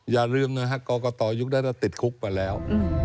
อย่าลืมกอกอตรอยุคนั้นติดคุกมาแล้ว